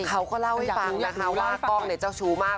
เขาก็เล่าให้ฟังนะคะว่ากล้องเนี่ยเจ้าชู้มาก